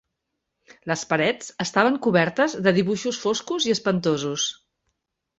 Les parets estaven cobertes de dibuixos foscos i espantosos.